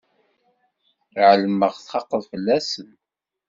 Ԑelmeɣ txaqeḍ fell-asen.